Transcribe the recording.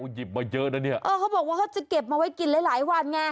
หยิบมาเยอะนะเนี่ยเออเขาบอกว่าเขาจะเก็บมาไว้กินหลายหลายวันไง